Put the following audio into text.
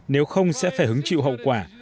nếu không sẽ phải hứng chịu hậu quả